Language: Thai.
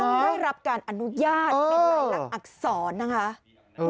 ต้องได้รับการอนุญาตเป็นหลักอักษรนะครับ